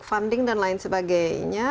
melakukan penyelidikan dan lain sebagainya